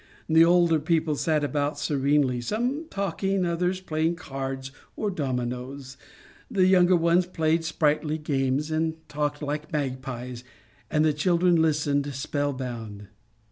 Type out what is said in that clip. The older people sat about serenely, some talking, others playing cards or dominoes. The younger ones played sprightly games and talked like magpies, and the children listened spell bound.